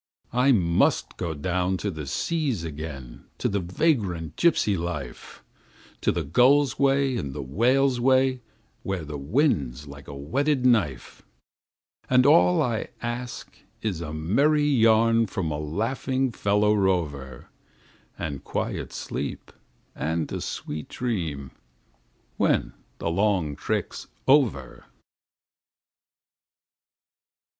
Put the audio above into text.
I must go down to the seas again, to the vagrant gypsy life, To the gull's way and the whale's way, where the wind's like a whetted knife; And all I ask is a merry yarn from a laughing fellow rover, And quiet sleep and a sweet dream when the long trick's over.